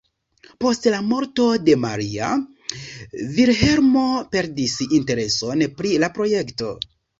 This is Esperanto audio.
Post la morto de Maria, Vilhelmo perdis intereson pri la projekto.